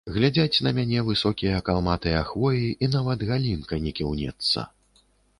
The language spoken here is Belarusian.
Глядзяць на мяне высокія калматыя хвоі і нават галінка не кіўнецца.